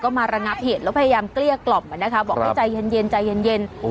ก็มาระงับเหตุแล้วพยายามเกลี้ยกล่อมนะคะบอกให้ใจเย็นใจเย็น